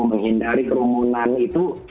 menghindari kerumunan itu